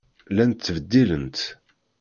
Llant ttbeddilent.